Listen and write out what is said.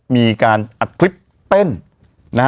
มีการอัดคลิปเล่น